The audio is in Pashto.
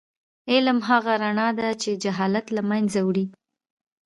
علم هغه رڼا ده چې جهالت له منځه وړي.